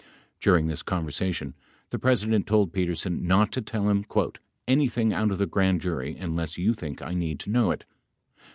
During this conversation, the President told Petersen not to tell him "anything out of the grand jury unless you think I need to know it.